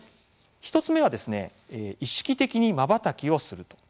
１つ目は意識的にまばたきをする。